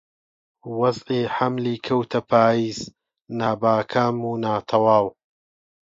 وەزعی حەملی کەوتە پاییز نابەکام و ناتەواو